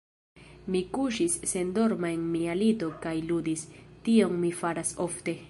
Mi kuŝis sendorma en mia lito kaj ludis; tion mi faras ofte.